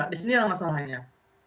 di sini adalah masalahnya mbak